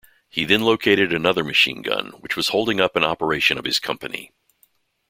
He then located another machine-gun which was holding up an operation of his company.